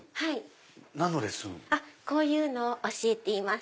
こういうのを教えています。